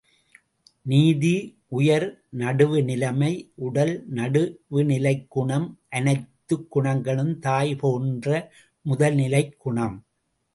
நீதி உயிர் நடுவு நிலைமை உடல், நடுவுநிலைக் குணம் அனைத்துக் குணங்களுக்கும் தாய் போன்ற முதல்நிலைக் குணம்.